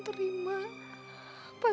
pasti akan menolak ya abang